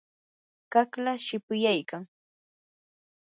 qaqlaa shipuyaykam.